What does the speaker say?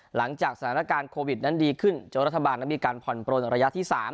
หลังจากสถานการณ์โควิดนั้นดีขึ้นจนรัฐบาลนั้นมีการผ่อนปลนระยะที่๓